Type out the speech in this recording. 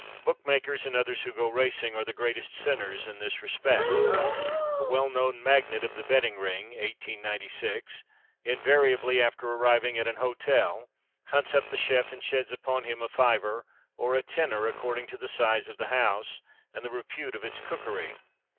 Bookmakers and others who go racing are the greatest sinners in this respect. A well known magnate of the betting ring (1896) invariably, after arriving at an hotel, hunts up the chef, and sheds upon him a "fiver," or a "tenner," according to the size of the house, and the repute of its cookery.